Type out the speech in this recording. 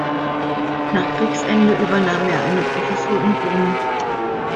Nach Kriegsende übernahm er eine Professur in Rom.